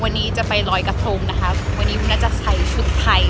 วันนี้จะไปลอยกระทงนะคะวันนี้คุณนัทจะใส่ชุดไทย